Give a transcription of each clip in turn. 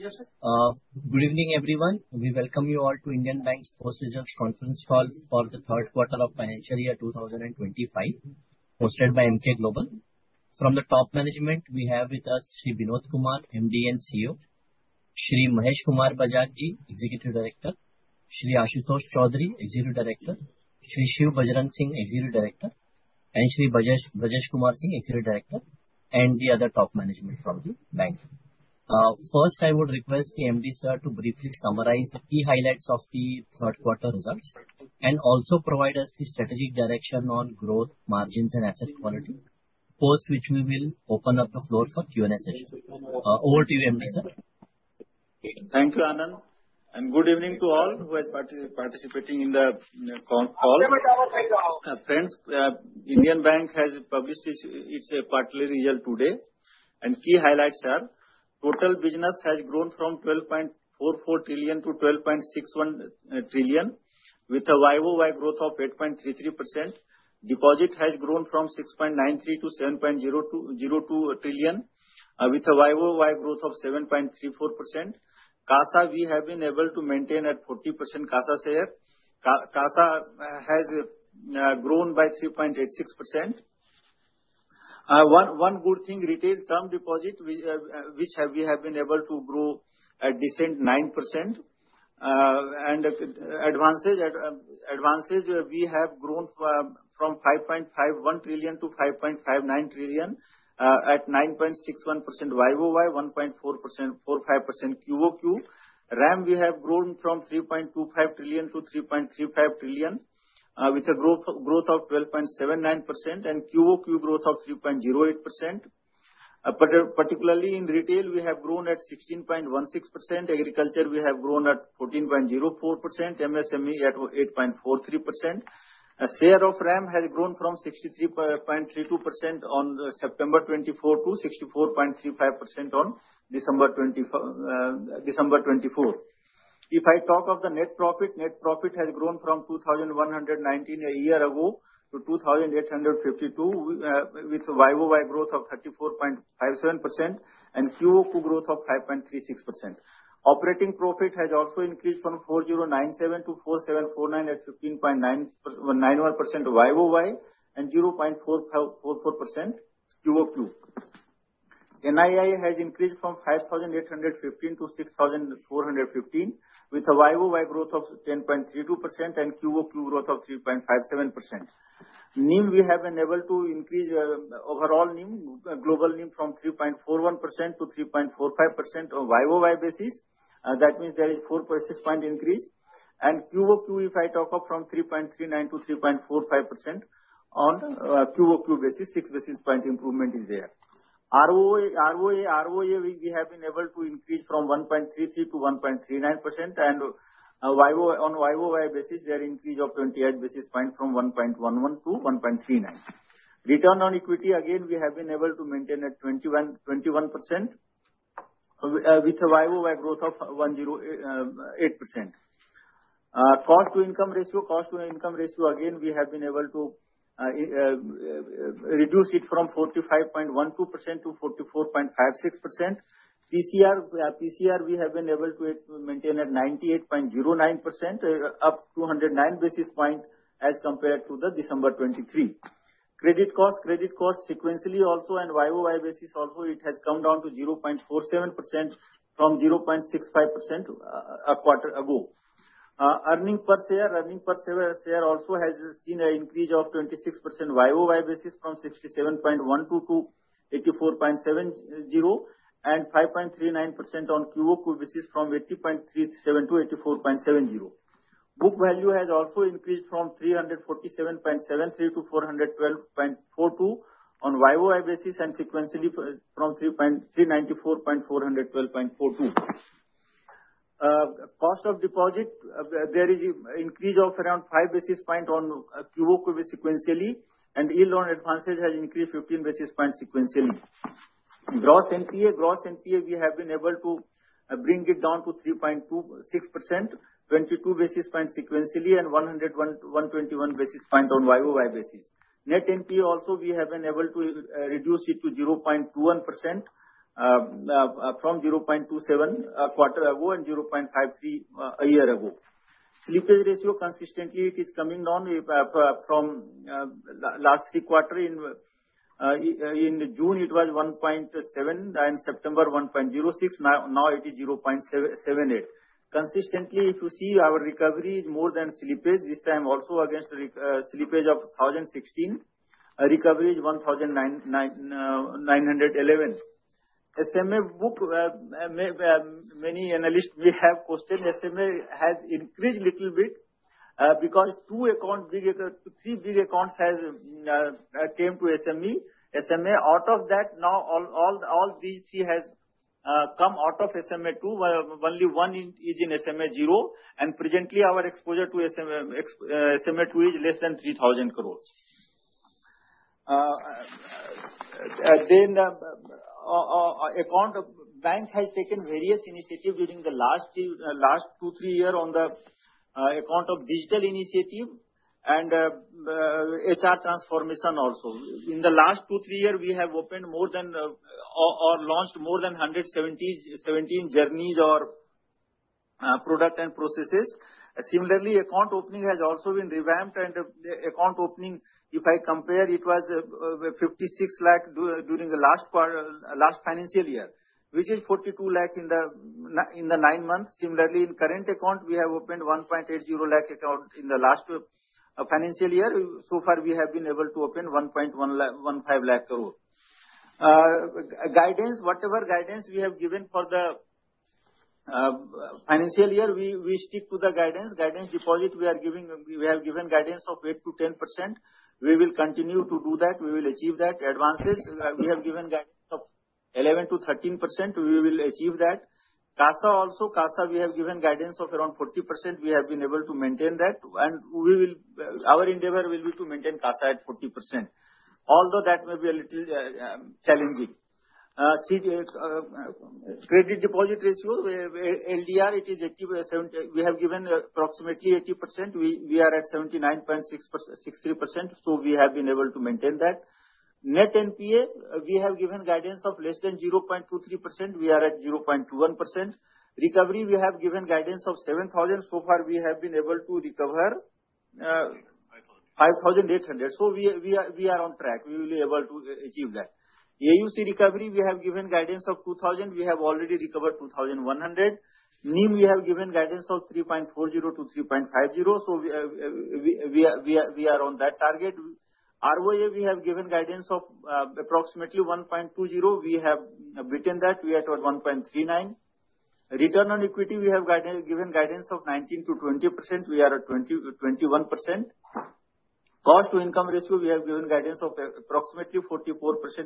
Yes, sir. Good evening, everyone. We welcome you all to Indian Bank's Post Results Conference Call for the third quarter of financial year 2025, hosted by Emkay Global. From the top management, we have with us Shri Binod Kumar, MD and CEO, Shri Mahesh Kumar Bajaj Ji, Executive Director, Shri Ashutosh Choudhary, Executive Director, Shri Shiv Bajrang Singh, Executive Director, and Shri Brajesh Kumar Singh, Executive Director, and the other top management from the bank. First, I would request the MD, sir, to briefly summarize the key highlights of the third quarter results and also provide us the strategic direction on growth, margins, and asset quality, post which we will open up the floor for Q&A session. Over to you, MD, sir. Thank you, Anand, and good evening to all who are participating in the call. Friends, Indian Bank has published its quarterly results today, and key highlights, sir: total business has grown from 12.44 trillion to 12.61 trillion, with a YoY growth of 8.33%. Deposits have grown from 6.93 trillion to 7.02 trillion, with a YoY growth of 7.34%. CASA, we have been able to maintain at 40% CASA share. CASA has grown by 3.86%. One good thing, retail term deposit, which we have been able to grow at decent 9%. And advances, we have grown from 5.51 trillion to 5.59 trillion at 9.61% YoY, 1.45% QoQ. RAM, we have grown from 3.25 trillion to 3.35 trillion, with a growth of 12.79% and QoQ growth of 3.08%. Particularly in retail, we have grown at 16.16%. Agriculture, we have grown at 14.04%. MSME at 8.43%. Share of RAM has grown from 63.32% on September 24 to 64.35% on December 24. If I talk of the net profit, net profit has grown from 2,119 a year ago to 2,852, with YoY growth of 34.57% and QoQ growth of 5.36%. Operating profit has also increased from 4,097 to 4,749 at 15.91% YoY and 0.44% QoQ. NII has increased from 5,815 to 6,415, with a YoY growth of 10.32% and QoQ growth of 3.57%. NIM, we have been able to increase overall NIM, global NIM, from 3.41% to 3.45% on YoY basis. That means there is a 6-point increase. And QoQ, if I talk of from 3.39 to 3.45% on QoQ basis, 6-point improvement is there. ROA, we have been able to increase from 1.33 to 1.39%. And on YoY basis, there is an increase of 28-point from 1.11 to 1.39. Return on equity, again, we have been able to maintain at 21%, with a YoY growth of 108%. Cost-to-income ratio, cost-to-income ratio, again, we have been able to reduce it from 45.12% to 44.56%. PCR, we have been able to maintain at 98.09%, up 209 points as compared to the December 2023. Credit cost, credit cost sequentially also and YoY basis also, it has come down to 0.47% from 0.65% a quarter ago. Earnings per share, earnings per share also has seen an increase of 26% YoY basis from 67.12 to 84.70 and 5.39% on QoQ basis from 80.37 to 84.70. Book value has also increased from 347.73 to 412.42 on YoY basis and sequentially from 394.40 to 412.42. Cost of deposit, there is an increase of around 5-point on QoQ sequentially, and yield on advances has increased 15-point sequentially. Gross NPA, gross NPA, we have been able to bring it down to 3.26%, 22-point sequentially, and 121-point on YoY basis. Net NPA also, we have been able to reduce it to 0.21% from 0.27 a quarter ago and 0.53 a year ago. Slippage ratio, consistently, it is coming down. From last three quarters, in June, it was 1.7, and September 1.06. Now it is 0.78. Consistently, if you see, our recovery is more than slippage. This time, also, against slippage of 1,016, recovery is 1,911. SMA book, many analysts may have questioned, SMA has increased a little bit because two accounts, three big accounts came to SMA. SMA, out of that, now all these three have come out of SMA-2. Only one is in SMA-0, and presently, our exposure to SMA-2 is less than 3,000 crores. The bank has taken various initiatives during the last two, three years on account of digital initiative and HR transformation also. In the last two, three years, we have opened more than or launched more than 117 journeys or product and processes. Similarly, account opening has also been revamped, and account opening, if I compare, it was 56 lakh during the last financial year, which is 42 lakh in the nine months. Similarly, in current account, we have opened 1.80 lakh account in the last financial year. So far, we have been able to open 1.15 lakh crore. Guidance, whatever guidance we have given for the financial year, we stick to the guidance. For deposits, we have given guidance of 8%-10%. We will continue to do that. We will achieve that. For advances, we have given guidance of 11%-13%. We will achieve that. CASA also, CASA, we have given guidance of around 40%. We have been able to maintain that, and our endeavor will be to maintain CASA at 40%. Although that may be a little challenging. Credit deposit ratio, LDR, it is 80%. We have given approximately 80%. We are at 79.63%, so we have been able to maintain that. Net NPA, we have given guidance of less than 0.23%. We are at 0.21%. Recovery, we have given guidance of 7,000. So far, we have been able to recover 5,800. So we are on track. We will be able to achieve that. AUCA recovery, we have given guidance of 2,000. We have already recovered 2,100. NIM, we have given guidance of 3.40% to 3.50%. So we are on that target. ROA, we have given guidance of approximately 1.20%. We have beaten that. We are at 1.39%. Return on equity, we have given guidance of 19%-20%. We are at 21%. Cost-to-income ratio, we have given guidance of approximately 44%.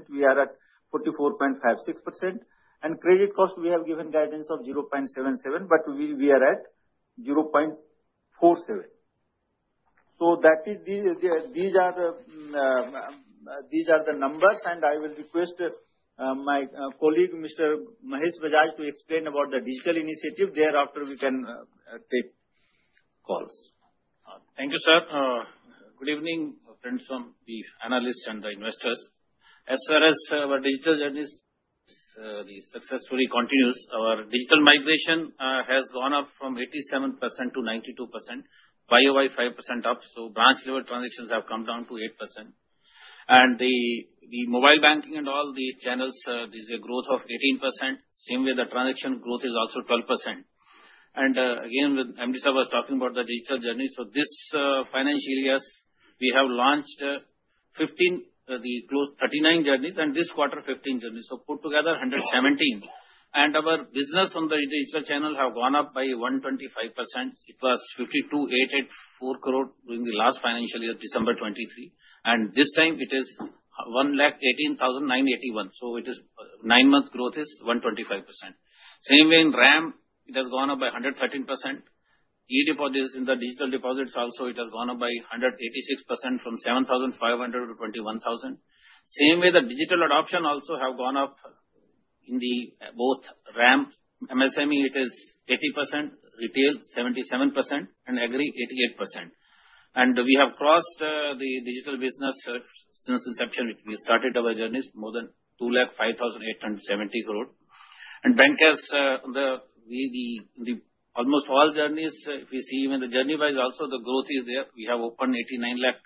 We are at 44.56%. And credit cost, we have given guidance of 0.77, but we are at 0.47. So these are the numbers, and I will request my colleague, Mr. Mahesh Bajaj, to explain about the digital initiative. Thereafter, we can take calls. Thank you, sir. Good evening, friends from the analysts and the investors. As far as our digital journey successfully continues, our digital migration has gone up from 87% to 92%, YoY 5% up. So branch-level transactions have come down to 8%. And the mobile banking and all the channels, there is a growth of 18%. Same way, the transaction growth is also 12%. And again, MD, sir, was talking about the digital journey. So this financial year, we have launched 15, close to 39 journeys, and this quarter, 15 journeys. So put together, 117. And our business on the digital channel has gone up by 125%. It was 52,884 crore during the last financial year, December 2023. And this time, it is 118,981. So it is nine-months growth is 125%. Same way in RAM, it has gone up by 113%. E-deposits in the digital deposits also, it has gone up by 186% from 7,500 to 21,000. In the same way, the digital adoption also has gone up in both RAM, MSME; it is 80%, retail 77%, and agri 88%. We have crossed the digital business since inception, which we started our branches, more than 205,870 crore, and branches, almost all branches, if you see, even the branch-wise, also the growth is there. We have opened 89 lakh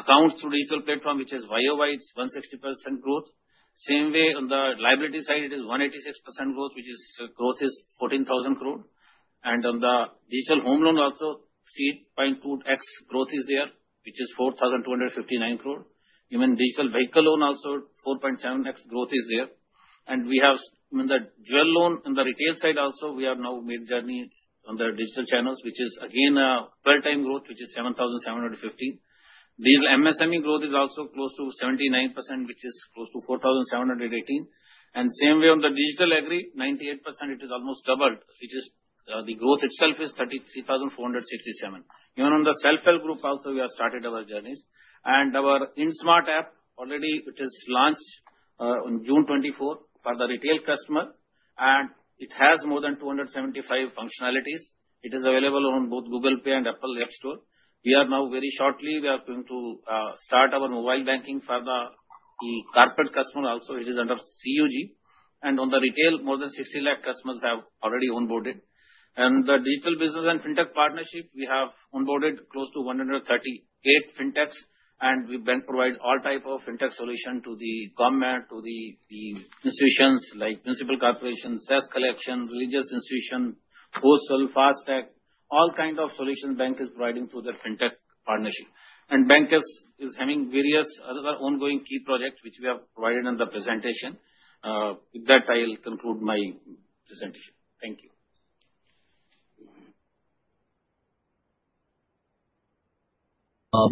accounts through digital platform, which is YoY; it's 160% growth. In the same way, on the liability side, it is 186% growth, which is growth is 14,000 crore. On the digital home loan, also 3.2x growth is there, which is 4,259 crore. Even digital vehicle loan, also 4.7x growth is there, and we have the gold loan on the retail side also. We have now made journey on the digital channels, which is again a 12-time growth, which is 7,715. MSME growth is also close to 79%, which is close to 4,718. And same way on the digital agri, 98%, it is almost doubled, which is the growth itself is 33,467. Even on the self-help group also, we have started our journeys. And our IndSMART app, already it is launched on June 24 for the retail customer. And it has more than 275 functionalities. It is available on both Google Play and Apple App Store. We are now very shortly, we are going to start our mobile banking for the corporate customer also. It is under CUG. And on the retail, more than 60 lakh customers have already onboarded. And the digital business and fintech partnership, we have onboarded close to 138 fintechs. The bank provide all type of fintech solution to the government, to the institutions like municipal corporation, cess collection, religious institution, hostel, FASTag, all kind of solutions bank is providing through the fintech partnership. Bank is having various other ongoing key projects, which we have provided in the presentation. With that, I'll conclude my presentation. Thank you.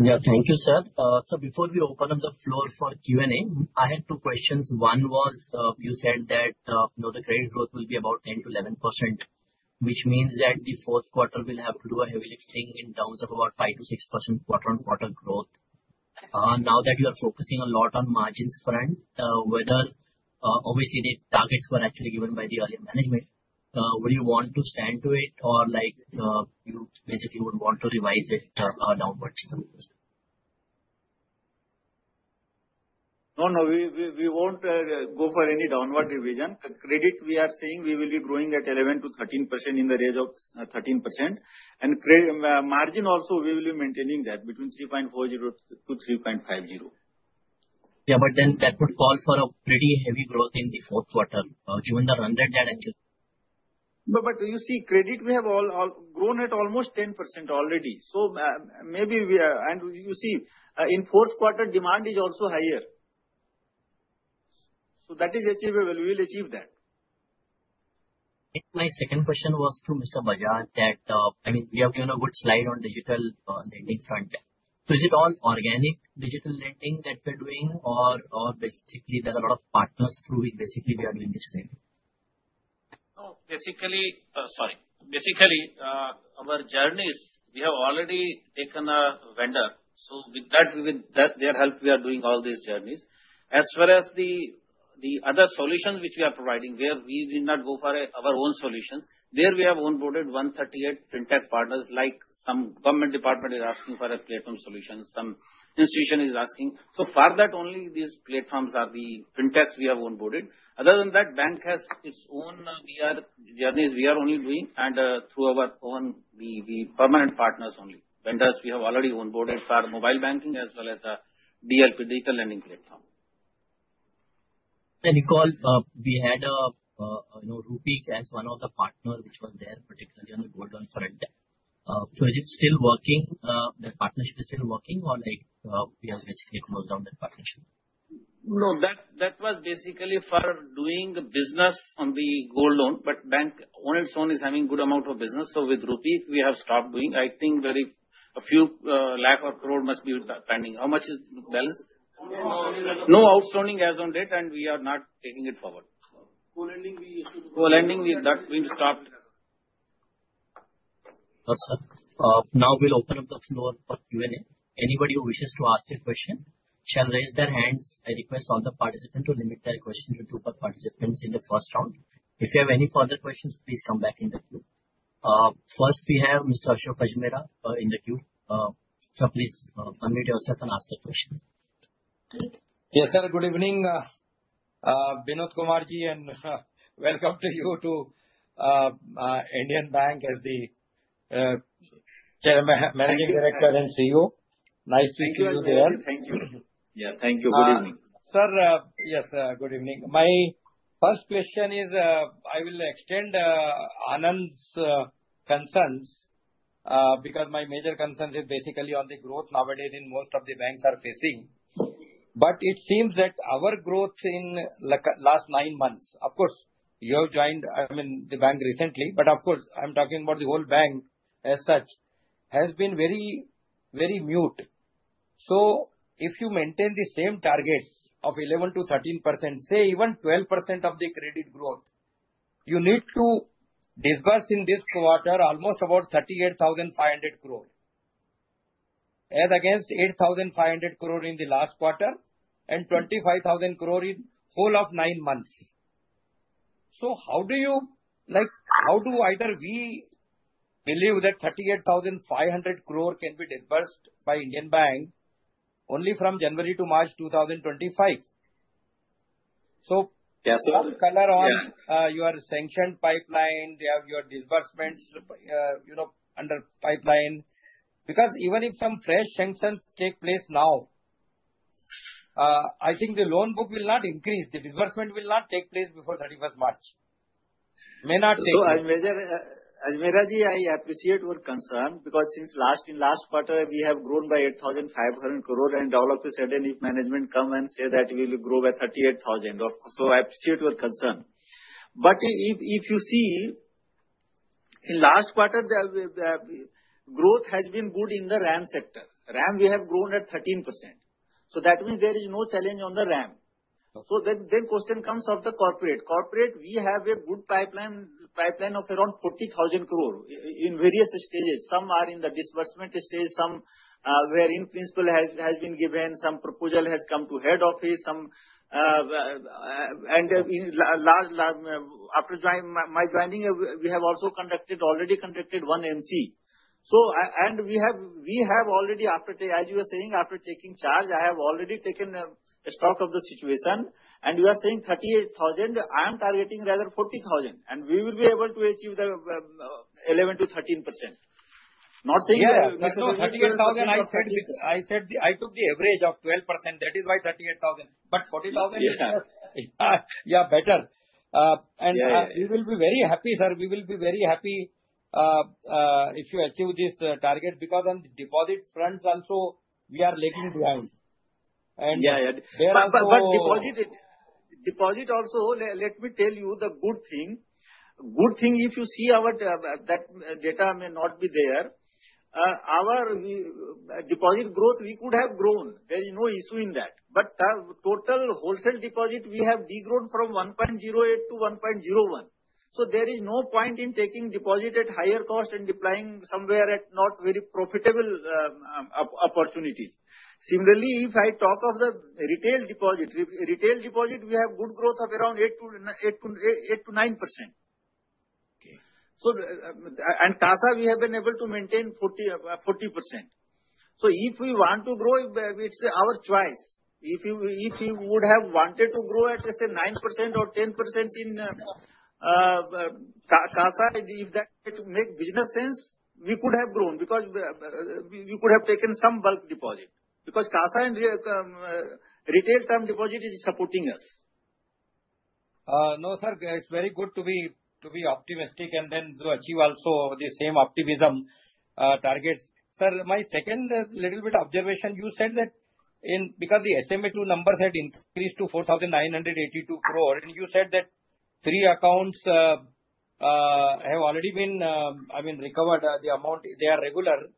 Yeah, thank you, sir. So before we open up the floor for Q&A, I had two questions. One was, you said that the credit growth will be about 10%-11%, which means that the fourth quarter will have to do a heavy lifting in terms of about 5%-6% quarter-on-quarter growth. Now that you are focusing a lot on margins front, whether obviously the targets were actually given by the earlier management, would you want to stand to it or you basically would want to revise it downwards? No, no, we won't go for any downward revision. The credit we are seeing, we will be growing at 11%-13% in the range of 13%. And margin also, we will be maintaining that between 3.40%-3.50%. Yeah, but then that would call for a pretty heavy growth in the fourth quarter. Given the run rate that. But you see, credit we have grown at almost 10% already. So maybe, and you see, in fourth quarter, demand is also higher. So that is achievable. We will achieve that. My second question was to Mr. Bajaj that, I mean, we have given a good slide on digital lending front. So is it all organic digital lending that we are doing, or basically there are a lot of partners through which basically we are doing this lending? No, basically, sorry. Basically, our journeys, we have already taken a vendor. So with that, with their help, we are doing all these journeys. As far as the other solutions which we are providing, where we will not go for our own solutions, there we have onboarded 138 fintech partners like some government department is asking for a platform solution, some institution is asking. So for that only, these platforms are the fintechs we have onboarded. Other than that, bank has its own VR journeys we are only doing, and through our own, the permanent partners only. Vendors we have already onboarded for mobile banking as well as the DLP digital lending platform. I recall we had Rupeek as one of the partners which was there particularly on the gold loan front. So is it still working? That partnership is still working or we have basically closed down that partnership? No, that was basically for doing business on the gold loan, but bank on its own is having a good amount of business. So with Rupeek, we have stopped doing. I think very a few lakh or crore must be pending. How much is balance? No, no. No outstanding as on date, and we are not taking it forward. Gold loan, we used to do. Gold lending, we have stopped. Now we'll open up the floor for Q&A. Anybody who wishes to ask a question shall raise their hands. I request all the participants to limit their question to two participants in the first round. If you have any further questions, please come back in the queue. First, we have Mr. Ashok Ajmera in the queue. Sir, please unmute yourself and ask the question. Yes, sir, good evening. Binod Kumarji, and welcome to you to Indian Bank as the Managing Director and CEO. Nice to see you there. Thank you. Yeah, thank you. Good evening. Sir, yes, good evening. My first question is I will extend Anand's concerns because my major concerns is basically on the growth nowadays in most of the banks are facing. But it seems that our growth in the last nine months, of course, you have joined, I mean, the bank recently, but of course, I'm talking about the whole bank as such, has been very, very mute. So if you maintain the same targets of 11%-13%, say even 12% of the credit growth, you need to disburse in this quarter almost about 38,500 crore, as against 8,500 crore in the last quarter and 25,000 crore in the whole of nine months. So how do you, how do either we believe that 38,500 crore can be disbursed by Indian Bank only from January to March 2025? So all color on your sanctioned pipeline, you have your disbursements under pipeline. Because even if some fresh sanctions take place now, I think the loan book will not increase. The disbursement will not take place before 31st March. May not take place. Ajmera ji, I appreciate your concern because since last in last quarter, we have grown by 8,500 crore and developed suddenly and if management come and say that we will grow by 38,000. I appreciate your concern. But if you see, in last quarter, growth has been good in the RAM sector. RAM, we have grown at 13%. That means there is no challenge on the RAM. Then question comes of the corporate. Corporate, we have a good pipeline of around 40,000 crore in various stages. Some are in the disbursement stage, some where in principle has been given, some proposal has come to head office, and after my joining, we have also already conducted one MC. And we have already, as you are saying, after taking charge, I have already taken stock of the situation. And you are saying 38,000. I'm targeting rather 40,000. And we will be able to achieve the 11%-13%. Not saying that. Yes, no, 38,000. I said I took the average of 12%. That is why 38,000. But 40,000 is better. And we will be very happy, sir. We will be very happy if you achieve this target because on the deposit fronts also, we are lagging behind. And. Yeah, yeah. But deposit also, let me tell you the good thing. Good thing, if you see our that data may not be there. Our deposit growth, we could have grown. There is no issue in that. But total wholesale deposit, we have degrown from 1.08 to 1.01. So there is no point in taking deposit at higher cost and deploying somewhere at not very profitable opportunities. Similarly, if I talk of the retail deposit, retail deposit, we have good growth of around 8%-9%. So and CASA, we have been able to maintain 40%. So if we want to grow, it's our choice. If you would have wanted to grow at, let's say, 9% or 10% in CASA, if that makes business sense, we could have grown because we could have taken some bulk deposit because CASA and retail term deposit is supporting us. No, sir, it's very good to be optimistic and then to achieve also the same optimistic targets. Sir, my second little bit observation, you said that because the SMA-2 numbers had increased to 4,982 crore, and you said that three accounts have already been, I mean, recovered the amount. They are regularized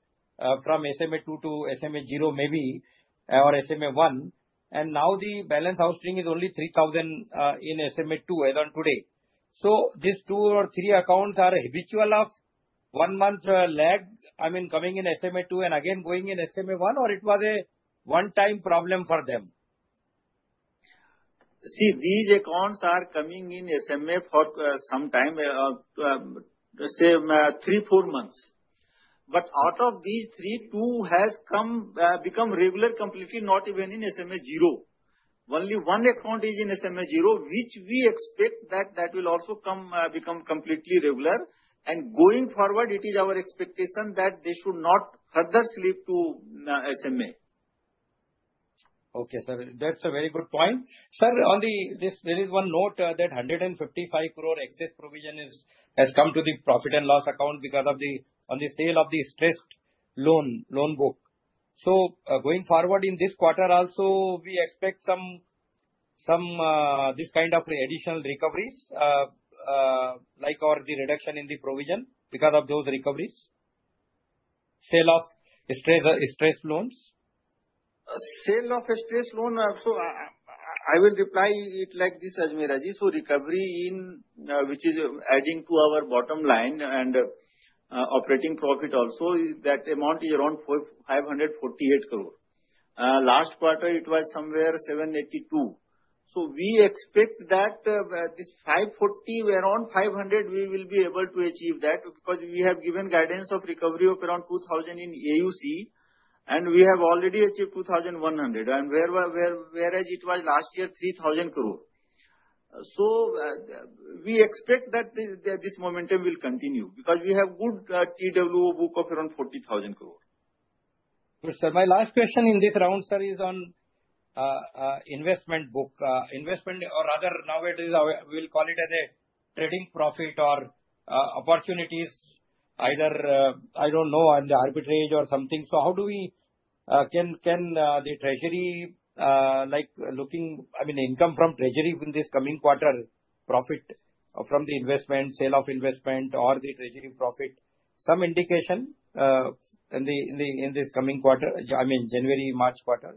from SMA-2 to SMA-0 maybe or SMA-1. And now the balance outstanding is only 3,000 crore in SMA-2 as on today. So these two or three accounts are habitual of one month lag, I mean, coming in SMA-2 and again going in SMA-1, or it was a one-time problem for them? See, these accounts are coming in SMA for some time, say, three, four months. But out of these three, two has become regular completely, not even in SMA-0. Only one account is in SMA-0, which we expect that will also become completely regular. And going forward, it is our expectation that they should not further slip to SMA. Okay, sir. That's a very good point. Sir, only there is one note that 155 crore excess provision has come to the profit and loss account because of the sale of the stressed loan book. So going forward in this quarter, also we expect some this kind of additional recoveries like the reduction in the provision because of those recoveries. Sale of stressed loans. Sale of stressed loan. So I will reply it like this, Ajmera ji. So recovery in which is adding to our bottom line and operating profit also, that amount is around 548 crore. Last quarter, it was somewhere 782. So we expect that this 540, around 500, we will be able to achieve that because we have given guidance of recovery of around 2,000 in AUC, and we have already achieved 2,100. And whereas it was last year, 3,000 crore. So we expect that this momentum will continue because we have good TWO book of around 40,000 crore. Sir, my last question in this round, sir, is on investment book. Investment or other nowadays, we will call it as a trading profit or opportunities, either I don't know, on the arbitrage or something. So how do we can the treasury like looking, I mean, income from treasury in this coming quarter, profit from the investment, sale of investment, or the treasury profit, some indication in this coming quarter, I mean, January, March quarter?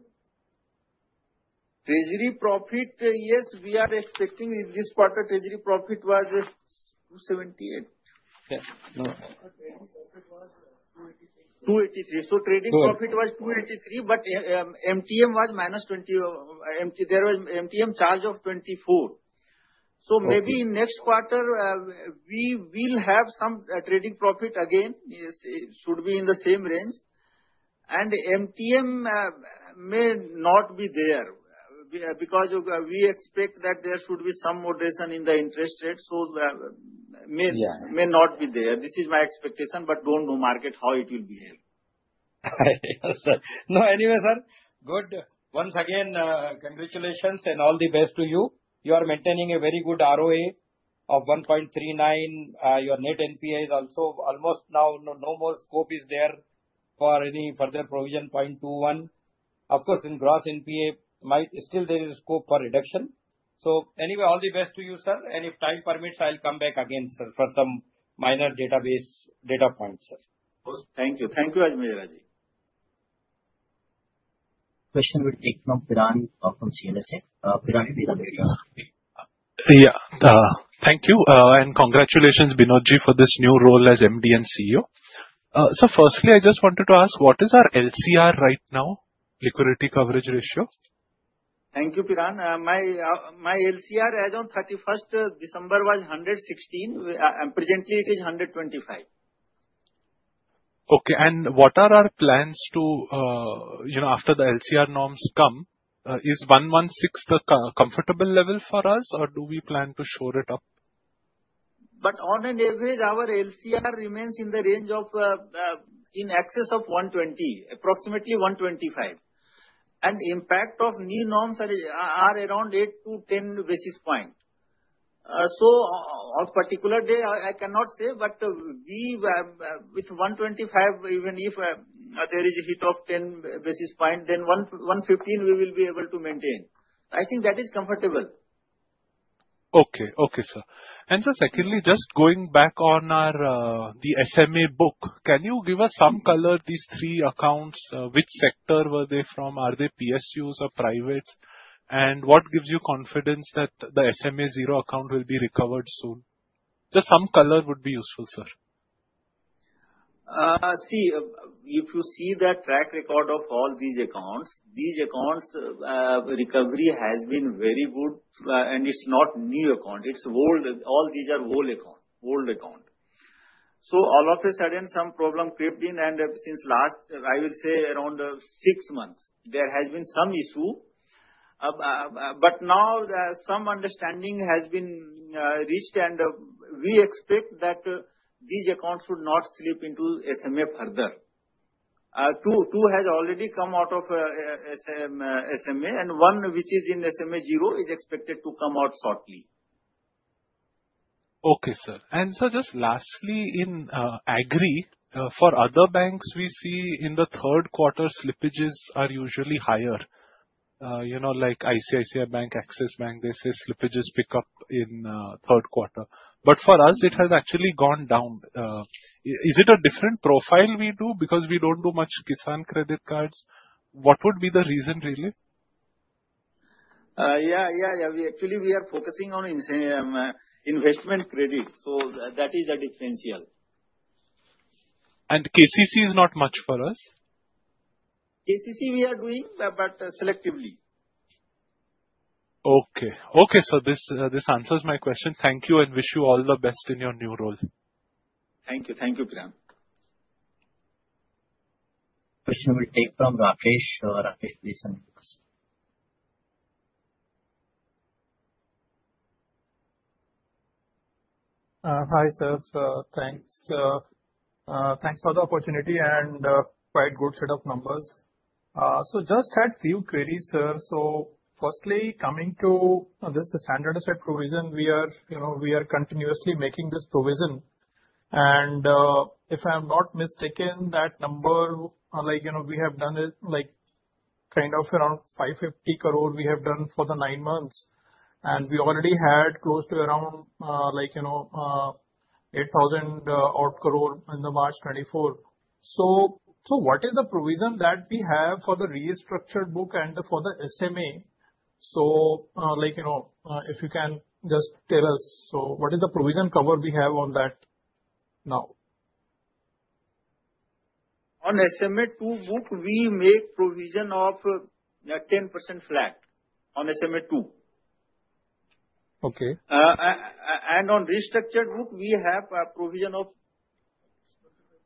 Treasury profit? Yes, we are expecting in this quarter. Treasury profit was 278. Yeah, no. 283. So trading profit was 283, but MTM was minus 20. There was MTM charge of 24. So maybe in next quarter, we will have some trading profit again. It should be in the same range. And MTM may not be there because we expect that there should be some moderation in the interest rate. So may not be there. This is my expectation, but don't know market how it will behave. No, anyway, sir. Good. Once again, congratulations and all the best to you. You are maintaining a very good ROA of 1.39%. Your net NPA is also almost now no more scope is there for any further provision 0.21%. Of course, in gross NPA, still there is scope for reduction. So anyway, all the best to you, sir. And if time permits, I'll come back again, sir, for some minor database data points, sir. Thank you. Thank you, Ajmera ji. Question will be taken from Piran from CLSA. Piran, and video. Yeah, thank you. And congratulations, Binod ji, for this new role as MD and CEO. So firstly, I just wanted to ask, what is our LCR right now, liquidity coverage ratio? Thank you, Piran. My LCR as on 31st December was 116. Presently, it is 125. Okay, and what are our plans thereafter the LCR norms come? Is 116 the comfortable level for us, or do we plan to shore it up? But on an average, our LCR remains in the range of in excess of 120, approximately 125. And impact of new norms are around 8-10 basis points. So on particular day, I cannot say, but with 125, even if there is a hit of 10 basis points, then 115 we will be able to maintain. I think that is comfortable. Okay, okay, sir. And sir, secondly, just going back on the SMA book, can you give us some color on these three accounts, which sector were they from? Are they PSUs or privates? And what gives you confidence that the SMA-0 account will be recovered soon? Just some color would be useful, sir. See, if you see the track record of all these accounts, these accounts' recovery has been very good, and it's not new account. It's old. All these are old accounts. So all of a sudden, some problem crept in, and since last, I will say around six months, there has been some issue. But now some understanding has been reached, and we expect that these accounts should not slip into SMA further. Two has already come out of SMA, and one which is in SMA-0 is expected to come out shortly. Okay, sir. And sir, just lastly, in Agri, for other banks, we see in the third quarter, slippages are usually higher. Like ICICI Bank, Axis Bank, they say slippages pick up in third quarter. But for us, it has actually gone down. Is it a different profile we do because we don't do much Kisan Credit Cards? What would be the reason really? Yeah, yeah, yeah. Actually, we are focusing on investment credit. So that is a differential. KCC is not much for us? KCC we are doing, but selectively. Okay. Okay, sir, this answers my question. Thank you and wish you all the best in your new role. Thank you. Thank you, Piran. Question will take from Rakesh. Rakesh, please answer. Hi, sir. Thanks. Thanks for the opportunity and quite good set of numbers. So just had a few queries, sir. So firstly, coming to this standardized provision, we are continuously making this provision. And if I'm not mistaken, that number, we have done it kind of around 550 crore we have done for the nine months. And we already had close to around 8,000 crore in the March 2024. So what is the provision that we have for the restructured book and for the SMA? So if you can just tell us, so what is the provision cover we have on that now? On SMA-2 book, we make provision of 10% flat on SMA-2. And on restructured book, we have a provision of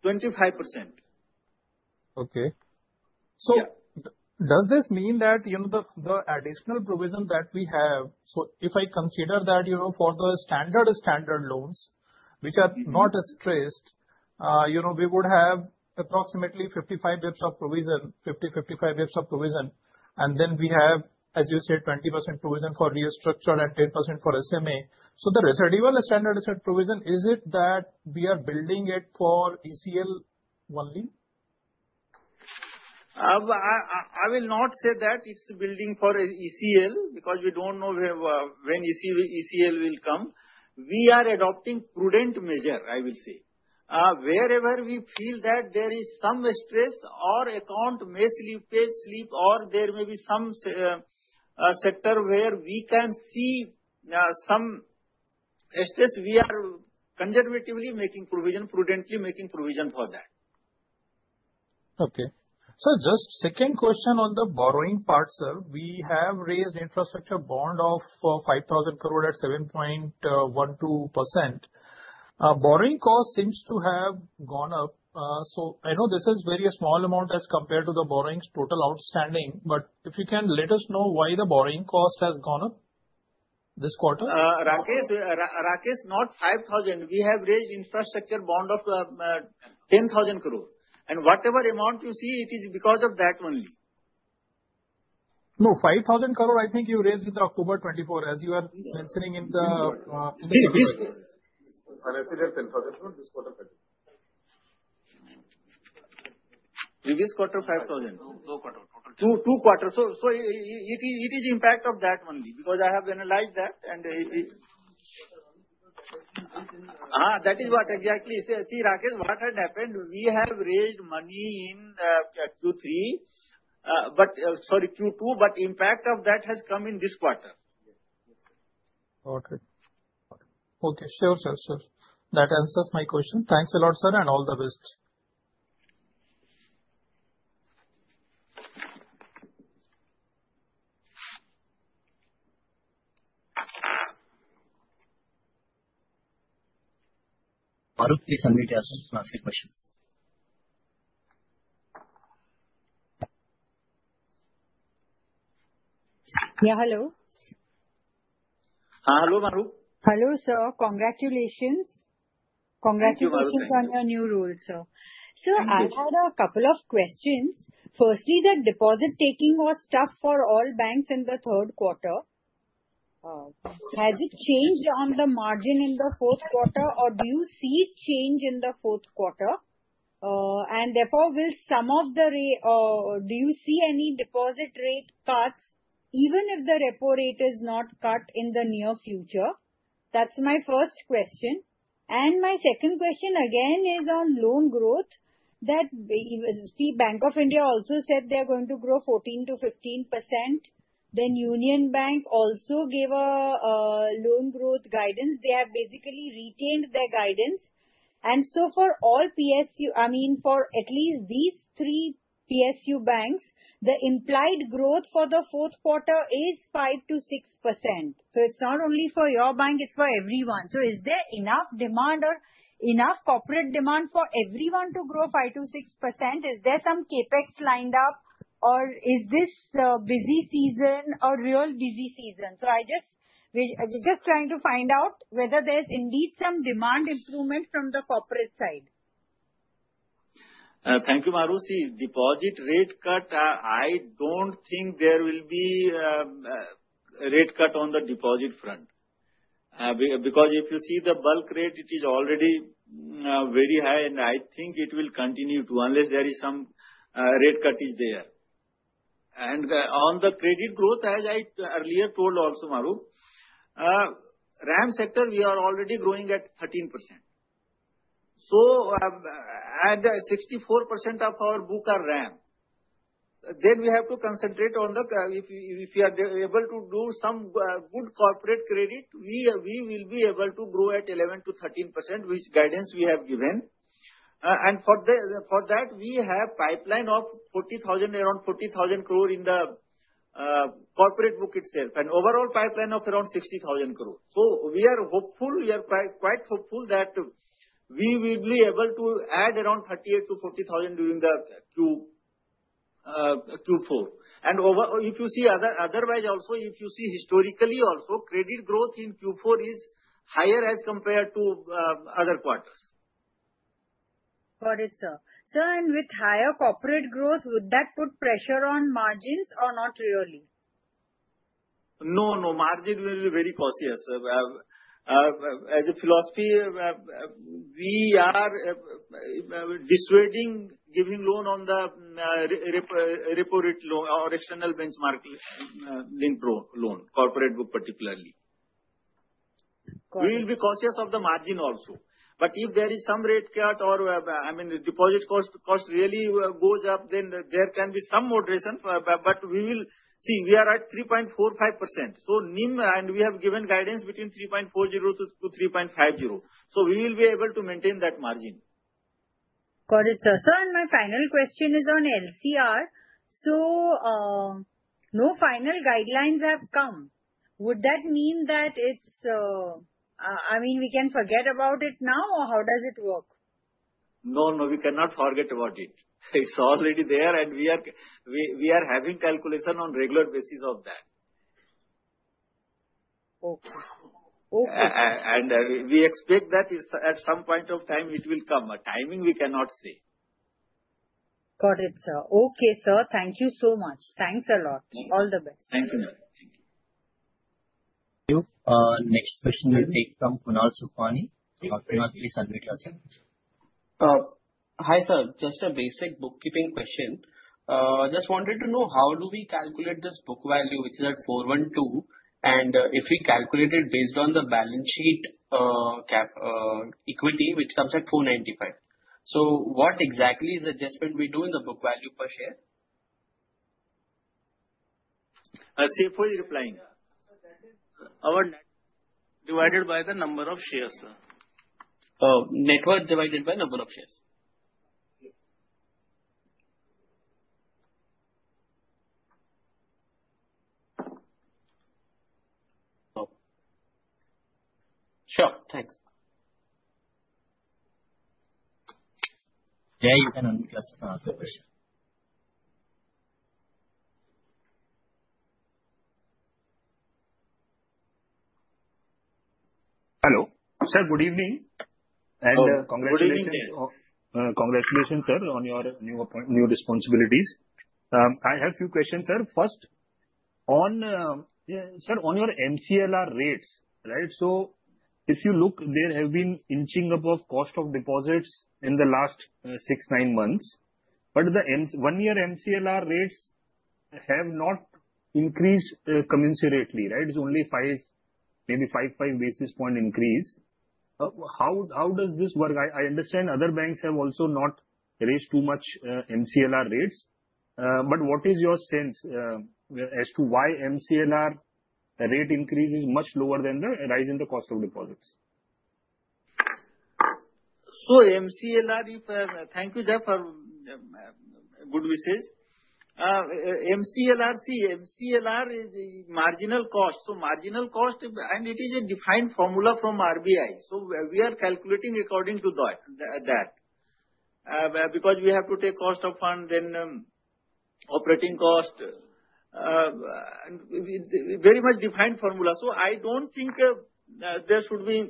25%. Okay. So does this mean that the additional provision that we have, so if I consider that for the standard loans, which are not stressed, we would have approximately 55 basis points of provision, 50, 55 basis points of provision. And then we have, as you said, 20% provision for restructured and 10% for SMA. So the residual standardized provision, is it that we are building it for ECL only? I will not say that it's building for ECL because we don't know when ECL will come. We are adopting prudent measure, I will say. Wherever we feel that there is some stress or account may slip or there may be some sector where we can see some stress, we are conservatively making provision, prudently making provision for that. Okay. Sir, just second question on the borrowing part, sir. We have raised Infrastructure Bond of 5,000 crore at 7.12%. Borrowing cost seems to have gone up. So I know this is a very small amount as compared to the borrowing's total outstanding. But if you can let us know why the borrowing cost has gone up this quarter? Rakesh, not 5,000. We have raised Infrastructure Bond of 10,000 crore. And whatever amount you see, it is because of that only. No, 5,000 crore, I think you raised in the October 2024, as you are mentioning in the. Previous quarter. Previous quarter, 5,000. No quarter. Total? Two quarters. So it is the impact of that only because I have analyzed that. That is what exactly. See, Rakesh, what had happened, we have raised money in Q3, but sorry, Q2, but impact of that has come in this quarter. Okay. Okay. Sure, sure, sure. That answers my question. Thanks a lot, sir, and all the best. Maru, please unmute yourself to answer your questions. Yeah, hello. Hello, Maru. Hello, sir. Congratulations. Congratulations on your new role, sir. So I had a couple of questions. Firstly, the deposit taking was tough for all banks in the third quarter. Has it changed on the margin in the fourth quarter, or do you see change in the fourth quarter? And therefore, will some of the do you see any deposit rate cuts, even if the repo rate is not cut in the near future? That's my first question. And my second question again is on loan growth. See, Bank of India also said they are going to grow 14%-15%. Then Union Bank also gave a loan growth guidance. They have basically retained their guidance. And so for all PSU, I mean, for at least these three PSU banks, the implied growth for the fourth quarter is 5%-6%. So it's not only for your bank, it's for everyone. Is there enough demand or enough corporate demand for everyone to grow 5%-6%? Is there some CapEx lined up, or is this a busy season or real busy season? I'm just trying to find out whether there's indeed some demand improvement from the corporate side. Thank you, Maru. See, deposit rate cut, I don't think there will be a rate cut on the deposit front. Because if you see the bulk rate, it is already very high, and I think it will continue to unless there is some rate cut there. And on the credit growth, as I earlier told also, Maru, RAM sector, we are already growing at 13%. So at 64% of our book are RAM. Then we have to concentrate on the if we are able to do some good corporate credit, we will be able to grow at 11%-13%, which guidance we have given. And for that, we have a pipeline of 40,000, around 40,000 crore in the corporate book itself, and overall pipeline of around 60,000 crore. So we are hopeful. We are quite hopeful that we will be able to add around 38,000-40,000 during Q4. If you see otherwise, also if you see historically, also credit growth in Q4 is higher as compared to other quarters. Got it, sir. Sir, and with higher corporate growth, would that put pressure on margins or not really? No, no. Margin will be very cautious. As a philosophy, we are dissuading giving loan on the repo rate loan or external benchmark-linked loan, corporate book particularly. We will be cautious of the margin also. But if there is some rate cut or, I mean, deposit cost really goes up, then there can be some moderation, but we will see. We are at 3.45%. So NIM, and we have given guidance between 3.40% to 3.50%. So we will be able to maintain that margin. Got it, sir. Sir, and my final question is on LCR. So no final guidelines have come. Would that mean that it's, I mean, we can forget about it now, or how does it work? No, no. We cannot forget about it. It's already there, and we are having calculation on regular basis of that. And we expect that at some point of time, it will come. Timing, we cannot say. Got it, sir. Okay, sir. Thank you so much. Thanks a lot. All the best. Thank you, Maru. Thank you. Next question will take from Kunal Sukhani. Kunal, please unmute yourself. Hi, sir. Just a basic bookkeeping question. Just wanted to know how do we calculate this book value, which is at 412, and if we calculate it based on the balance sheet equity, which comes at 495. So what exactly is the adjustment we do in the book value per share? See who is replying. Our net divided by the number of shares, sir. Net worth divided by number of shares. Sure. Thanks. Yeah, you can unmute yourself for another question. Hello. Sir, good evening and congratulations. Congratulations, sir, on your new responsibilities. I have a few questions, sir. First, sir, on your MCLR rates, right? So if you look, there have been inching up of cost of deposits in the last six, nine months. But the one-year MCLR rates have not increased commensurately, right? It's only maybe five, five basis points increase. How does this work? I understand other banks have also not raised too much MCLR rates. But what is your sense as to why MCLR rate increase is much lower than the rise in the cost of deposits? So MCLR, thank you, Jay, for good message. MCLR, see, MCLR is marginal cost. So marginal cost, and it is a defined formula from RBI. So we are calculating according to that. Because we have to take cost of fund, then operating cost, very much defined formula. I don't think there should be,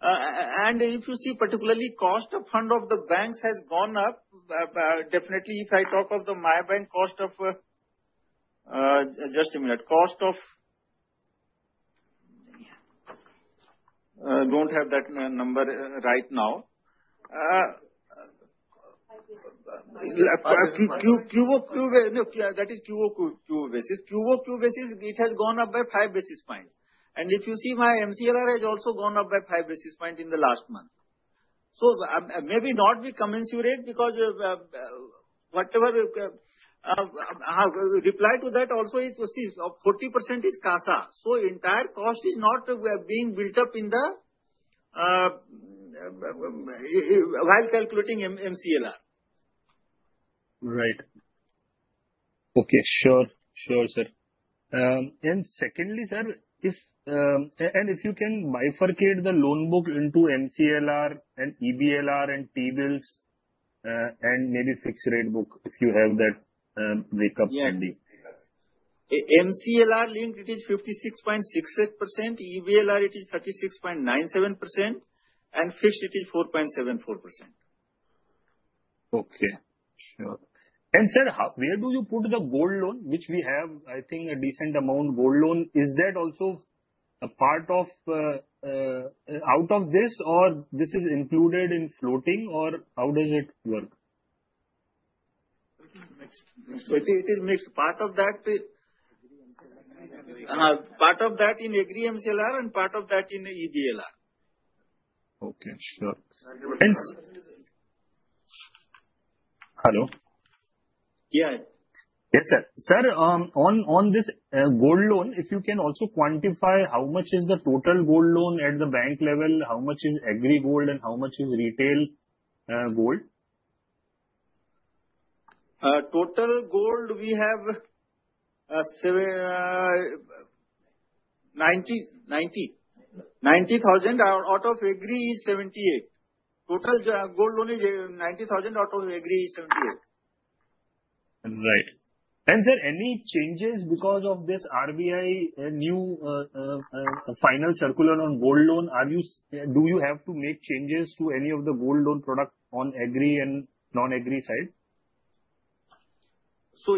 and if you see, particularly cost of funds of the banks has gone up. Definitely, if I talk of the cost of my bank, just a minute, I don't have that number right now. That is QoQ basis. QoQ basis, it has gone up by five basis points. And if you see, my MCLR has also gone up by five basis points in the last month. So maybe not be commensurate because whatever reply to that also, see, 40% is CASA. So entire cost is not being built up in the while calculating MCLR. Right. Okay. Sure. Sure, sir. And secondly, sir, if you can bifurcate the loan book into MCLR and EBLR and T-bills and maybe fixed rate book if you have that breakup. MCLR linked, it is 56.68%. EBLR, it is 36.97%. And fixed, it is 4.74%. Okay. Sure. Sir, where do you put the gold loan, which we have, I think, a decent amount gold loan? Is that also a part of out of this, or this is included in floating, or how does it work? It is mixed. Part of that in agri MCLR and part of that in EBLR. Okay. Sure. And hello? Yeah. Yes, sir. Sir, on this gold loan, if you can also quantify how much is the total gold loan at the bank level, how much is agri gold, and how much is retail gold? Total gold loan is 90,000 out of agri is 78. Right. And sir, any changes because of this RBI new final circular on gold loan? Do you have to make changes to any of the gold loan product on AGRI and non-AGRI side?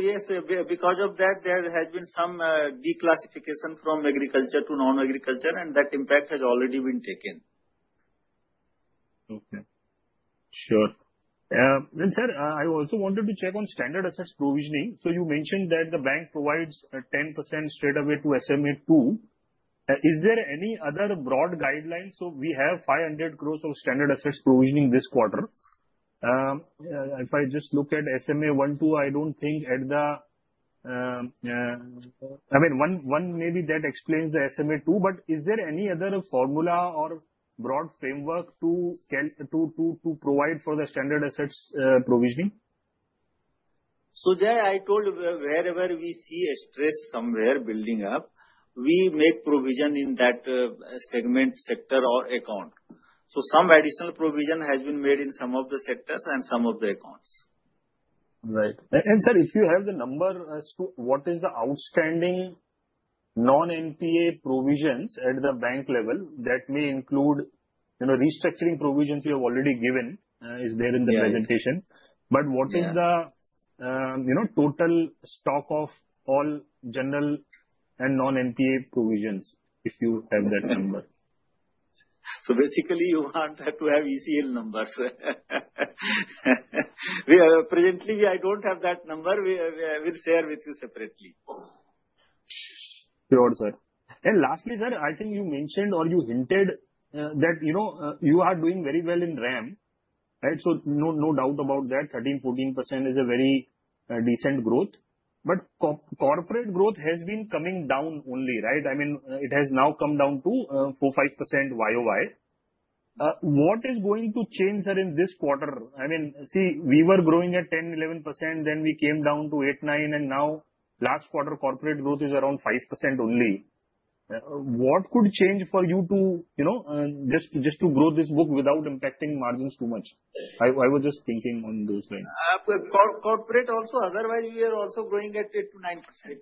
Yes, because of that, there has been some declassification from agriculture to non-agriculture, and that impact has already been taken. Okay. Sure. And sir, I also wanted to check on standard assets provisioning. So you mentioned that the bank provides 10% straight away to SMA-2. Is there any other broad guidelines? So we have 500 crores of standard assets provisioning this quarter. If I just look at SMA 1, 2, I don't think at the. I mean, one maybe that explains the SMA-2, but is there any other formula or broad framework to provide for the standard assets provisioning? So, Jay, I told you wherever we see a stress somewhere building up, we make provision in that segment sector or account, so some additional provision has been made in some of the sectors and some of the accounts. Right. And sir, if you have the number as to what is the outstanding non-NPA provisions at the bank level, that may include restructuring provisions you have already given, is there in the presentation? But what is the total stock of all general and non-NPA provisions if you have that number? So basically, you have to have ECL numbers. Presently, I don't have that number. We'll share with you separately. Sure, sir. And lastly, sir, I think you mentioned or you hinted that you are doing very well in RAM, right? So no doubt about that. 13-14% is a very decent growth. But corporate growth has been coming down only, right? I mean, it has now come down to 4-5% YOY. What is going to change, sir, in this quarter? I mean, see, we were growing at 10-11%, then we came down to 8-9%, and now last quarter corporate growth is around 5% only. What could change for you to just to grow this book without impacting margins too much? I was just thinking on those lines. Corporate also, otherwise, we are also growing at 8%-9%.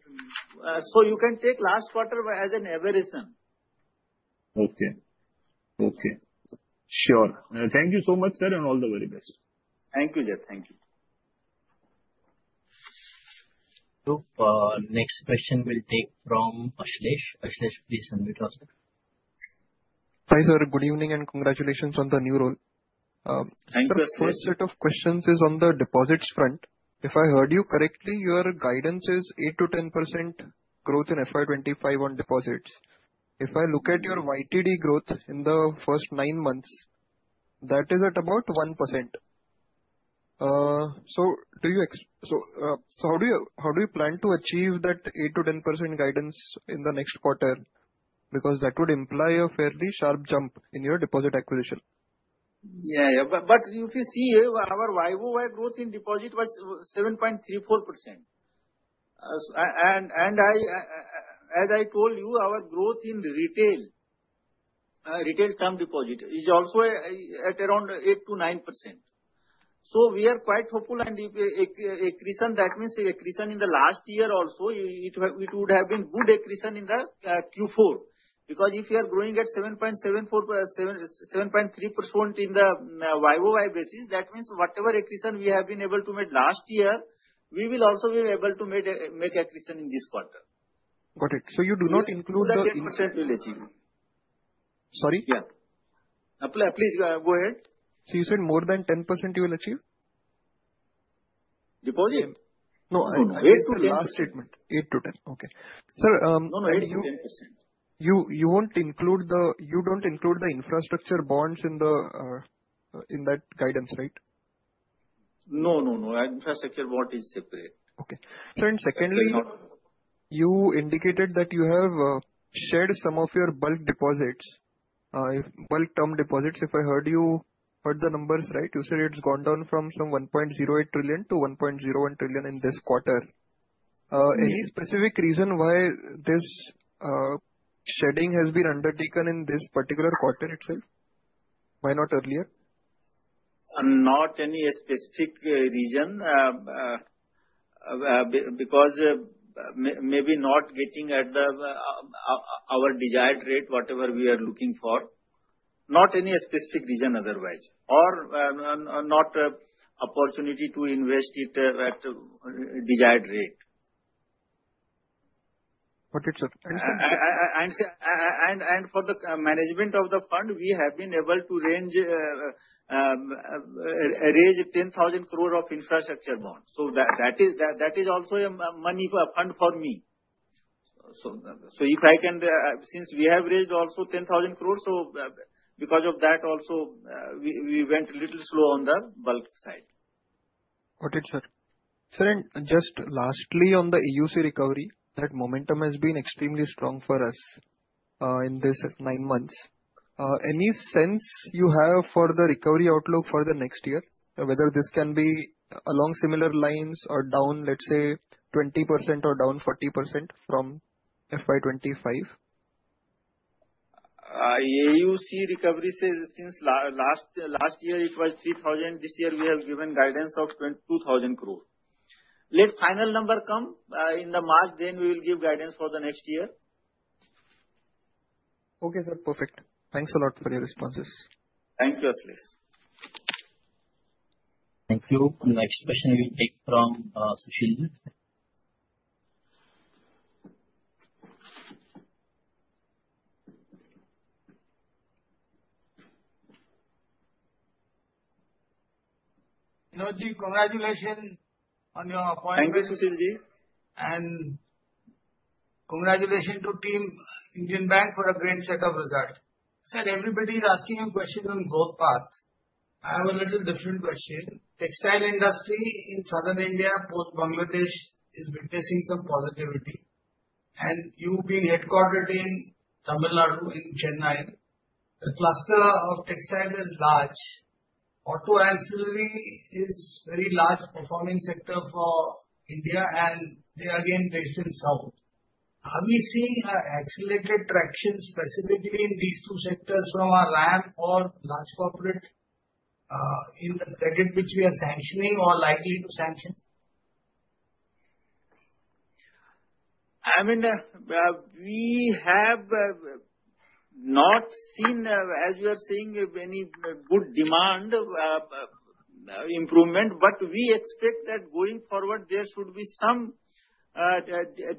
So you can take last quarter as an average. Okay. Okay. Sure. Thank you so much, sir, and all the very best. Thank you, Jay. Thank you. So, next question will take from Ashlesh. Ashlesh, please unmute yourself. Hi sir. Good evening and congratulations on the new role. Thank you, Ashlesh. So the first set of questions is on the deposits front. If I heard you correctly, your guidance is 8%-10% growth in FY 2025 on deposits. If I look at your YTD growth in the first nine months, that is at about 1%. So how do you plan to achieve that 8%-10% guidance in the next quarter? Because that would imply a fairly sharp jump in your deposit acquisition. Yeah. But if you see, our YoY growth in deposit was 7.34%. And as I told you, our growth in retail, retail term deposit is also at around 8-9%. So we are quite hopeful, and that means accretion in the last year also. It would have been good accretion in the Q4. Because if we are growing at 7.74, 7.3% in the YoY basis, that means whatever accretion we have been able to make last year, we will also be able to make accretion in this quarter. Got it. So you do not include the. 10% will achieve. Sorry? Yeah. Please go ahead. So you said more than 10% you will achieve? Deposit? No. 8 to 10. Statement. 8 to 10. Okay. Sir. No, no. 8%-10%. You don't include the infrastructure bonds in that guidance, right? No, no, no. Infrastructure Bond is separate. Okay. Sir, and secondly, you indicated that you have shed some of your bulk deposits, bulk term deposits. If I heard you right, the numbers, you said it's gone down from some 1.08 trillion to 1.01 trillion in this quarter. Any specific reason why this shedding has been undertaken in this particular quarter itself? Why not earlier? Not any specific reason. Because maybe not getting at our desired rate, whatever we are looking for. Not any specific reason otherwise. Or not opportunity to invest it at desired rate. Got it, sir. And sir. For the management of the fund, we have been able to raise 10,000 crore of Infrastructure Bond. So that is also a fund for me. So if I can, since we have raised also 10,000 crore, so because of that also, we went a little slow on the bulk side. Got it, sir. Sir, and just lastly on the AUC recovery, that momentum has been extremely strong for us in these nine months. Any sense you have for the recovery outlook for the next year? Whether this can be along similar lines or down, let's say, 20% or down 40% from FY2025? AUC recovery since last year, it was 3,000. This year, we have given guidance of 2,000 crore. Let final number come in the March, then we will give guidance for the next year. Okay, sir. Perfect. Thanks a lot for your responses. Thank you, Ashlesh. Thank you. Next question will take from Sushil. Binod ji, congratulations on your appointment. Thank you, Sushil ji. Congratulations to Team Indian Bank for a great set of results. Sir, everybody is asking you questions on growth path. I have a little different question. Textile industry in Southern India and Bangladesh is witnessing some positivity. You being headquartered in Tamil Nadu in Chennai, the textile cluster is large. Auto ancillary is a very large performing sector for India, and they are again based in south. Are we seeing an accelerated traction specifically in these two sectors from a RAM or large corporate in the credit which we are sanctioning or likely to sanction? I mean, we have not seen, as we are seeing, any good demand improvement, but we expect that going forward, there should be some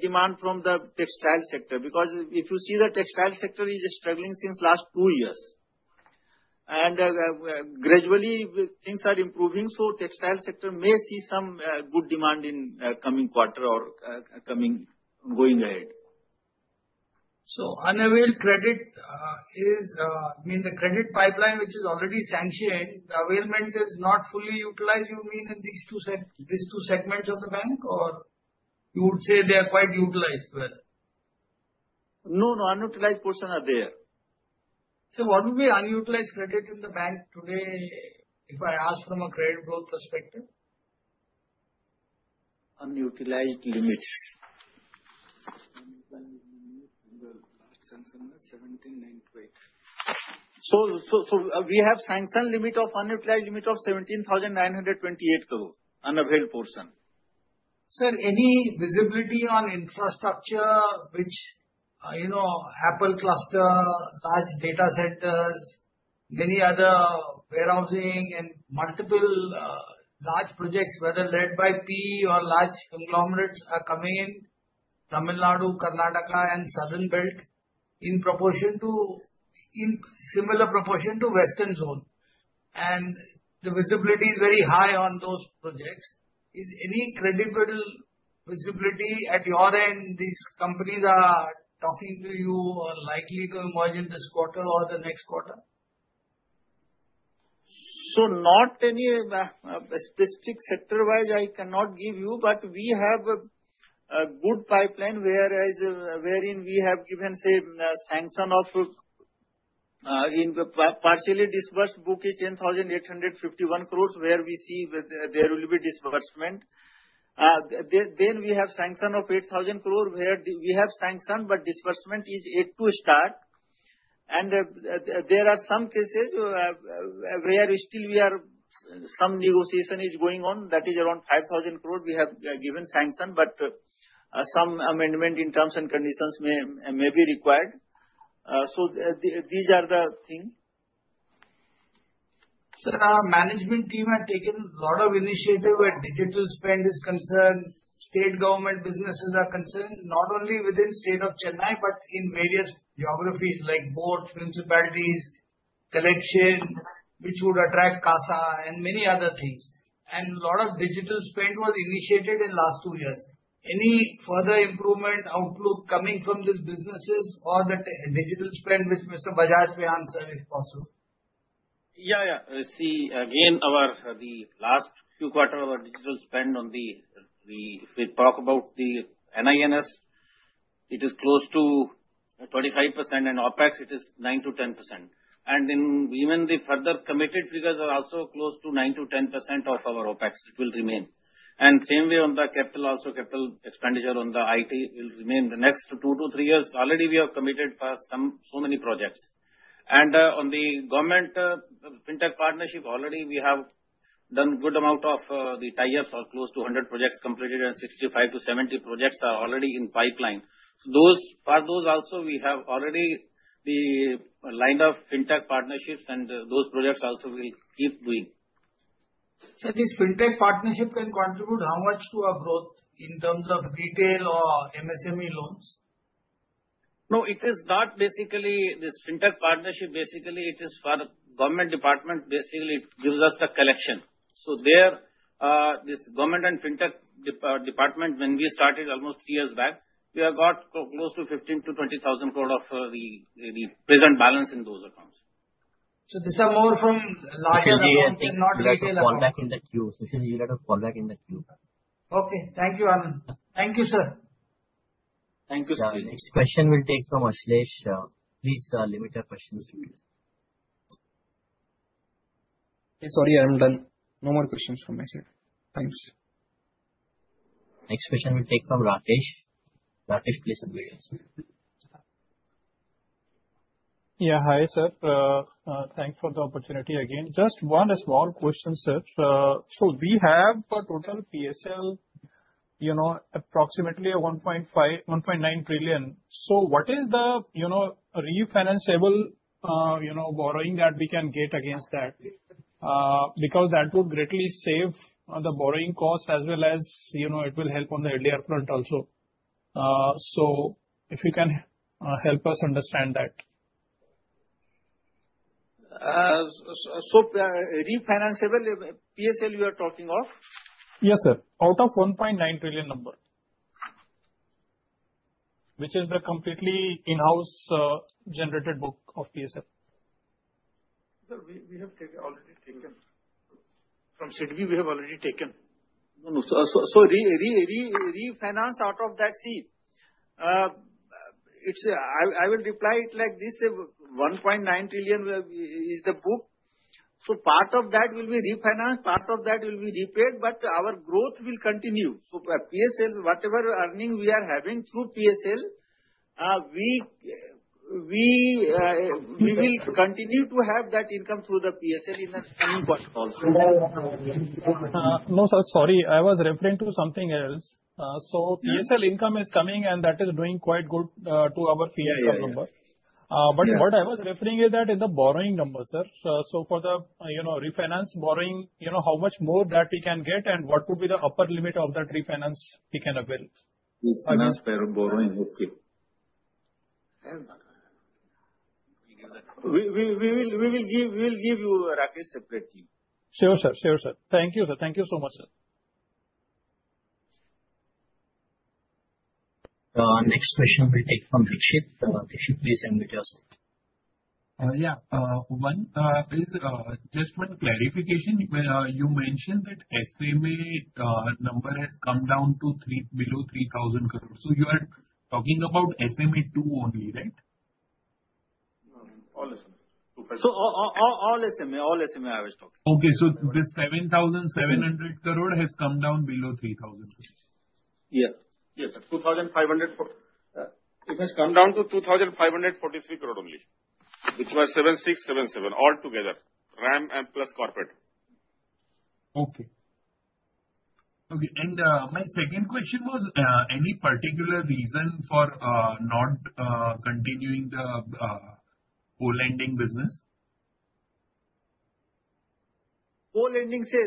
demand from the textile sector. Because if you see, the textile sector is struggling since last two years. And gradually, things are improving, so textile sector may see some good demand in coming quarter or going ahead. So unavailed credit is, I mean, the credit pipeline which is already sanctioned, the availment is not fully utilized, you mean, in these two segments of the bank, or you would say they are quite utilized well? No, no. Unutilized portion are there. So what would be unutilized credit in the bank today if I ask from a credit growth perspective? Unutilized limits. So we have sanctioned limit of unutilized limit of 17,928 crore, unavailed portion. Sir, any visibility on infrastructure which Apple cluster, large data centers, many other warehousing, and multiple large projects, whether led by PE or large conglomerates, are coming in Tamil Nadu, Karnataka, and Southern Belt in similar proportion to Western Zone? And the visibility is very high on those projects. Is any credible visibility at your end? These companies are talking to you or likely to emerge in this quarter or the next quarter? So not any specific sector-wise, I cannot give you, but we have a good pipeline wherein we have given, say, sanction of partially disbursed book is 10,851 crores, where we see there will be disbursement. Then we have sanction of 8,000 crore, where we have sanction, but disbursement is yet to start. And there are some cases where still we are some negotiation is going on. That is around 5,000 crore we have given sanction, but some amendment in terms and conditions may be required. So these are the things. Sir, our management team has taken a lot of initiative where digital spend is concerned. State government businesses are concerned, not only within the state of Chennai, but in various geographies like port, municipalities, collection, which would attract CASA and many other things. And a lot of digital spend was initiated in the last two years. Any further improvement outlook coming from these businesses or the digital spend, which Mr. Bajaj may answer if possible? Yeah, yeah. See, again, the last few quarters of our digital spend, if we talk about the NINS, it is close to 25%, and OpEx, it is 9%-10%. And even the further committed figures are also close to 9%-10% of our OpEx. It will remain. Same way on the capital, also capital expenditure on the IT will remain the next two to three years. Already, we have committed so many projects. On the government fintech partnership, already we have done a good amount of the tie-ups, or close to 100 projects completed, and 65-70 projects are already in pipeline. For those also, we have already the line of fintech partnerships, and those projects also we will keep doing. Sir, this fintech partnership can contribute how much to our growth in terms of retail or MSME loans? No, it is not basically this fintech partnership. Basically, it is for government department. Basically, it gives us the collection. So there, this government and fintech department, when we started almost three years back, we have got close to 15-20 thousand crore of the present balance in those accounts. These are more from larger accounts, not retail accounts. Call back in the queue. Sushil, you let us call back in the queue. Okay. Thank you, Anand. Thank you, sir. Thank you, Sushil. Next question will take from Ashlesh. Please limit your questions. Sorry, I'm done. No more questions from my side. Thanks. Next question will take from Rakesh. Rakesh, please submit your answer. Yeah, hi sir. Thanks for the opportunity again. Just one small question, sir. So we have for total PSL approximately 1.9 trillion. So what is the refinanceable borrowing that we can get against that? Because that would greatly save the borrowing cost as well as it will help on the earlier front also. So if you can help us understand that. So refinanceable PSL, you are talking of? Yes, sir. Out of 1.9 trillion number, which is the completely in-house generated book of PSL. Sir, we have already taken from SIDBI, we have already taken. No, no. So refinance out of that, see. I will reply it like this. 1.9 trillion is the book. So part of that will be refinanced, part of that will be repaid, but our growth will continue. So PSL, whatever earning we are having through PSL, we will continue to have that income through the PSL in the coming quarter also. No, sir, sorry. I was referring to something else. So PSL income is coming, and that is doing quite good to our PSL number. But what I was referring is that in the borrowing number, sir. So for the refinance borrowing, how much more that we can get, and what would be the upper limit of that refinance we can avail? Yes, sir. Borrowing. Okay. We will give you, Rakesh, separately. Sure, sir. Sure, sir. Thank you, sir. Thank you so much, sir. Next question will take from Dixit. Dixit, please invite yourself. Yeah. Just one clarification. You mentioned that SMA number has come down to below 3,000 crore. So you are talking about SMA-2 only, right? No, no. All SMA. 2%. All SMA. All SMA I was talking. Okay. So this 7,700 crore has come down below 3,000 crore? Yeah. Yes, sir. It has come down to 2,543 crore only, which was 7,677 all together, RAM plus corporate. Okay. Okay. And my second question was, any particular reason for not continuing the co-lending business? Co-lending, sir,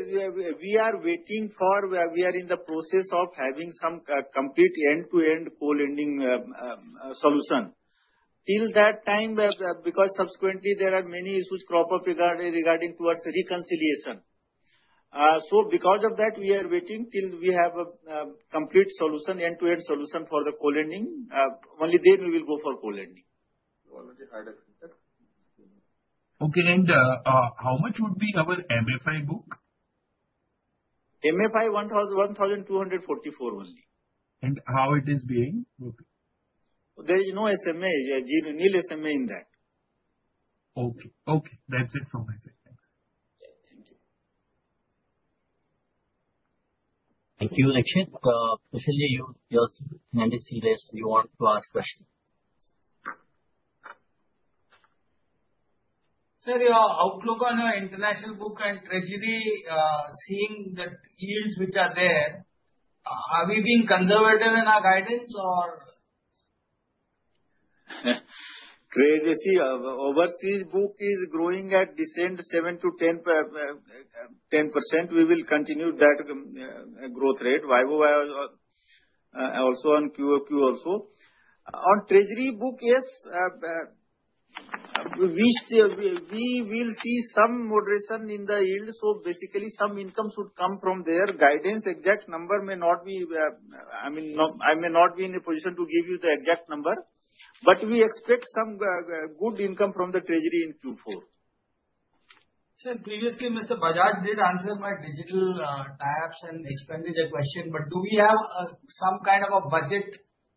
we are in the process of having some complete end-to-end co-lending solution. Till that time, because subsequently, there are many issues crop up regarding towards reconciliation. So because of that, we are waiting till we have a complete solution, end-to-end solution for the co-lending. Only then we will go for co-lending. Okay, and how much would be our MFI book? MFI 1,244 only. And how it is being? Okay. There is no SMA. There is no SMA in that. Okay. Okay. That's it from my side. Thank you. Thank you, Lakshit. Sushil, you're. You want to ask a question? Sir, outlook on our international book and treasury, seeing that yields which are there, are we being conservative in our guidance or? Overseas book is growing at decent 7%-10%. We will continue that growth rate. YoY, also on QoQ also. On treasury book, yes. We will see some moderation in the yield. So basically, some income should come from there. Guidance exact number may not be. I may not be in a position to give you the exact number. But we expect some good income from the treasury in Q4. Sir, previously, Mr. Bajaj did answer my digital tie-ups and expanded the question. But do we have some kind of a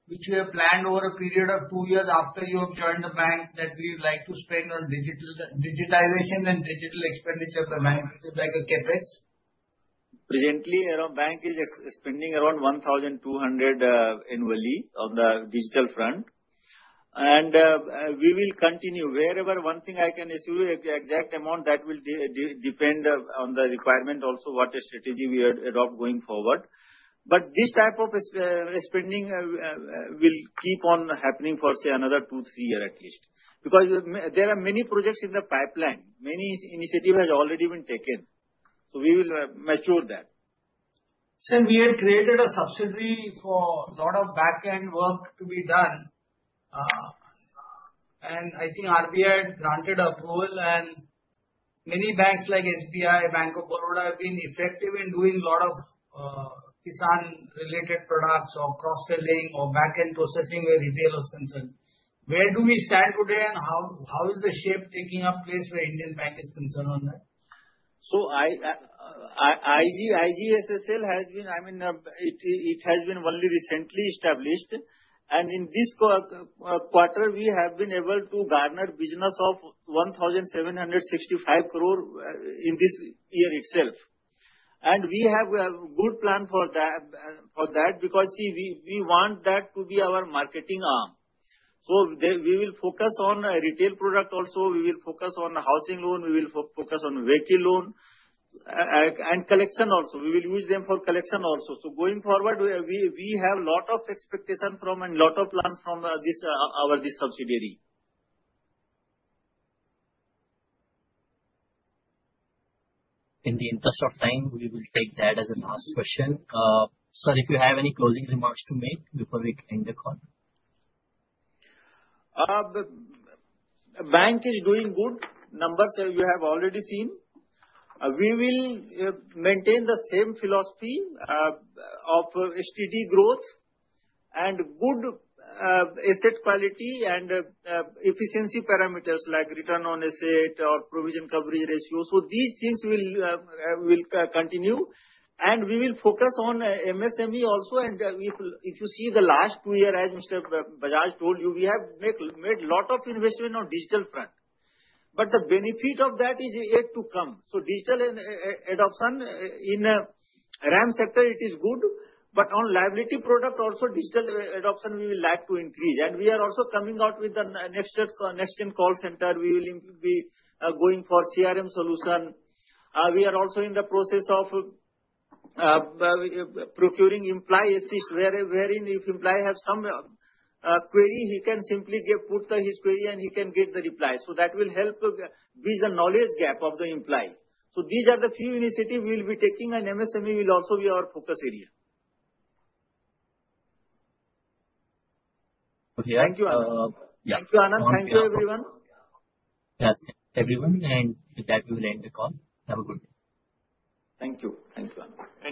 budget which you have planned over a period of two years after you have joined the bank that we would like to spend on digitization and digital expenditure by bank like a CapEx? Presently, our bank is spending around 1,200 annually on the digital front, and we will continue. However, one thing I can assure you, exact amount that will depend on the requirement also, what strategy we adopt going forward, but this type of spending will keep on happening for, say, another two, three years at least, because there are many projects in the pipeline. Many initiatives have already been taken, so we will mature that. Sir, we had created a subsidiary for a lot of backend work to be done. And I think RBI had granted approval. And many banks like SBI, Bank of Baroda have been effective in doing a lot of Kisan-related products or cross-selling or backend processing where retail is concerned. Where do we stand today, and how is the shape taking place where Indian Bank is concerned on that? IGSSL has been I mean, it has been only recently established. And in this quarter, we have been able to garner business of 1,765 crore in this year itself. And we have a good plan for that. Because see, we want that to be our marketing arm. So we will focus on retail product also. We will focus on housing loan. We will focus on vehicle loan and collection also. We will use them for collection also. So going forward, we have a lot of expectations and a lot of plans from our subsidiary. In the interest of time, we will take that as a last question. Sir, if you have any closing remarks to make before we end the call? Bank is doing good. Numbers you have already seen. We will maintain the same philosophy of Steady growth and good asset quality and efficiency parameters like return on assets or provision coverage ratio. So these things will continue. And we will focus on MSME also. And if you see the last two years, as Mr. Bajaj told you, we have made a lot of investment on digital front. But the benefit of that is yet to come. So digital adoption in RAM sector, it is good. But on liability product also, digital adoption, we would like to increase. And we are also coming out with the next-gen call center. We will be going for CRM solution. We are also in the process of procuring Employee Assist wherein if employee has some query, he can simply put his query and he can get the reply. So that will help bridge the knowledge gap of the employee. So these are the few initiatives we will be taking, and MSME will also be our focus area. Thank you, Anand. Thank you, Anand. Thank you, everyone. Yes, everyone. And with that, we will end the call. Have a good day. Thank you. Thank you, Anand.